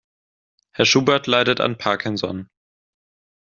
Herr Schubert leidet an Parkinson.